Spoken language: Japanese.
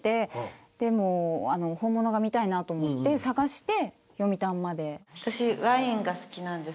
本物が見たいなと思って探して読谷まで。